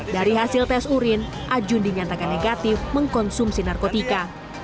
dari hasil tes urin ajun dinyatakan negatif mengkonsumsi narkotika